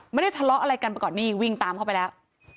ไม่ได้ทะเลาะอะไรกันมาก่อนนี่วิ่งตามเข้าไปแล้ว